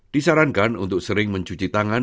disarankan untuk sering mencuci tangan